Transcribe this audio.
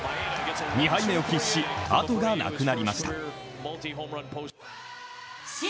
２敗目を喫し、後がなくなりました。